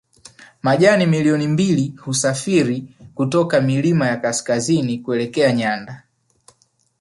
Majani milioni mbili husafiri kutoka milima ya kaskazini kuelekea nyanda